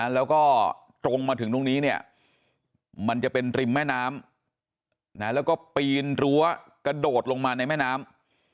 แล้วก็ตรงมาถึงตรงนี้เนี่ยมันจะเป็นริมแม่น้ำแล้วก็ปีนรั้วกระโดดลงมาในแม่น้ำ